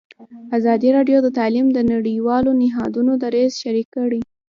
ازادي راډیو د تعلیم د نړیوالو نهادونو دریځ شریک کړی.